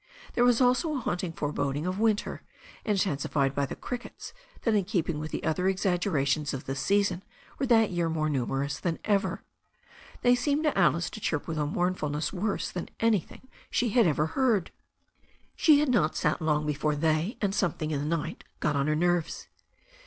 There was also a haunting foreboding of winter, intensified by the crickets, that in keeping with the other exaggerations of the season were that year more numerous than ever. They seemed to Alice to chirp with a moumfulness worse than anything she had ever heard. 370 THE STORY OF A NEW ZEALAND RIVEH She had not sat long before they and something in the night got on her nerves.